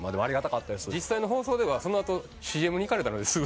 実際の放送ではその後ＣＭにいかれたので。